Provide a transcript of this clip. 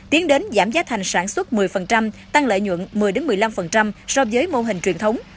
tiến đến giảm giá thành sản xuất một mươi tăng lợi nhuận một mươi một mươi năm so với mô hình truyền thống